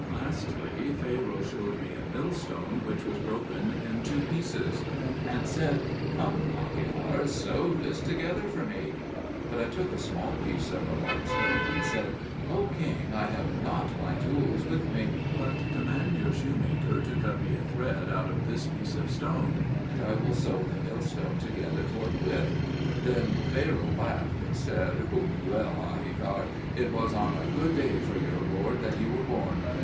Lastly, Pharaoh showed me a millstone which was broken in two pieces, and said, "Come, Ahikar, sew this together for me." But I took a small piece of a like stone, and said, "O king, I have not my tools with me; but command your shoemaker to cut me a thread out of this piece of stone, and I will sew the millstone together forthwith." Then Pharaoh laughed, and said, "Well, Ahikar, it was on a good day for your lord that you were born.